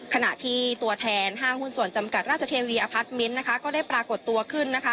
ขณะที่ตัวแทนห้างหุ้นส่วนจำกัดราชเทวีนะคะก็ได้ปรากฏตัวขึ้นนะคะ